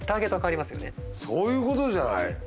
そういうことじゃない？